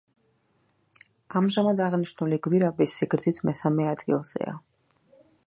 ამჟამად აღნიშნული გვირაბი სიგრძით მესამე ადგილზეა.